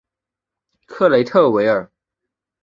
克雷特维尔。